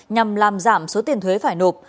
nhằm làm giảm số tiền thuế phải nộp